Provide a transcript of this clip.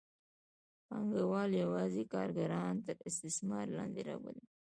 پانګوال یوازې کارګران تر استثمار لاندې راولي.